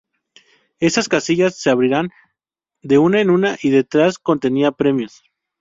Esas casillas se abrían de una en una, y detrás contenía premios.